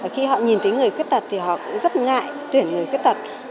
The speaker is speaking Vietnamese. khi họ nhìn thấy người khuyết tật thì họ cũng rất ngại tuyển người khuyết tật